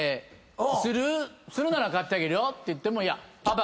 するなら買ってあげるよって言って。